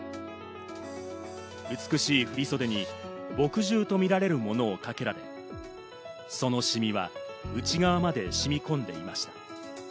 美しい振り袖に墨汁とみられるものをかけられ、そのシミは内側まで染み込んでいました。